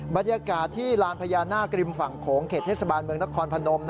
บรรยากาศที่ลานพญานาคริมฝั่งโขงเขตเทศบาลเมืองนครพนม